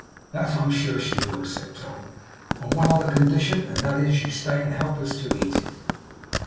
'That I am sure she will,' said Tom. 'On one other condition, and that is, that you stay and help us to eat it.